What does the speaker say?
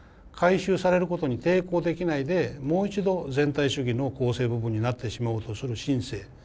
回収されることに抵抗できないでもう一度全体主義の構成部分になってしまおうとする心性